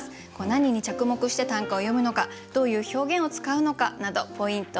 何に着目して短歌を詠むのかどういう表現を使うのかなどポイント